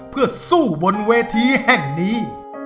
เพื่อสู้บนเวทีแห่งนี้